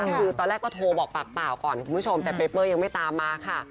คือตอนแรกก็โทรบอกปากเปล่าก่อนคุณผู้ชมแต่เปเปอร์ยังไม่ตามมาค่ะ